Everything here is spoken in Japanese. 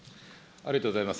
ありがとうございます。